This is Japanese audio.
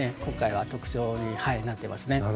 今回は特徴になっていますね。